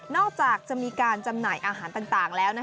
จากจะมีการจำหน่ายอาหารต่างแล้ว